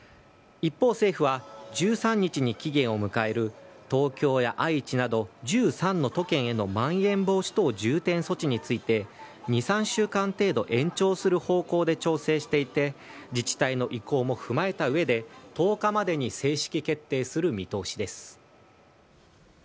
一方、政府は１３日に期限を迎える東京や愛知など１３の都県へのまん延防止等重点措置について、２、３週間程度延長する方向で調整していて、自治体の意向も踏まえたうえで、１０日までに正式決定する見通しです。